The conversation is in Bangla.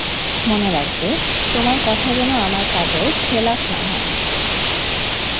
মনে রাখবে, তোমার কথা যেন তোমার কাজের খেলাফ না হয়।